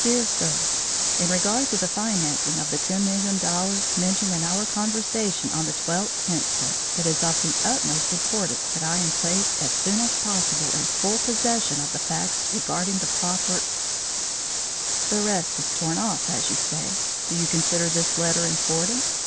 Dear Sir: In regard to the financing of the $10,000,000, mentioned in our conversation on the 12th inst., it is of the utmost importance that I am placed as soon as possible in full possession of the facts regarding the propert The rest is torn off, as you say. Do you consider this letter important?"